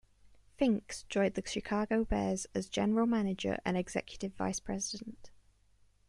Finks joined the Chicago Bears, as general manager and executive vice-president.